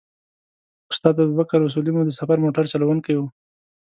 استاد ابوبکر اصولي مو د سفر موټر چلوونکی و.